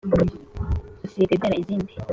sosiyete ibyara izindi.